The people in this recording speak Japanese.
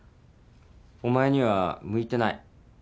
お前には向いてない。